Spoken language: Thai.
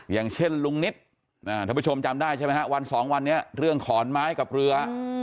อย่างเช่นลุงนิตท่านผู้ชมจำได้ใช่ไหมฮะวันสองวันนี้เรื่องขอนไม้กับเรือ